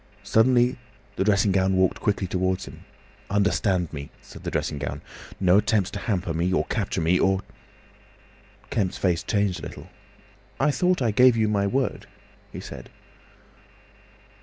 Suddenly the dressing gown walked quickly towards him. "Understand me!" said the dressing gown. "No attempts to hamper me, or capture me! Or—" Kemp's face changed a little. "I thought I gave you my word," he said.